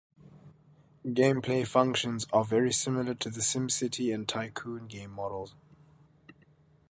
Gameplay functions are very similar to the SimCity and Tycoon game models.